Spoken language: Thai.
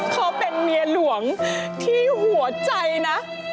เขาเป็นเมียหลวงที่หัวใจนะ